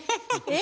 え？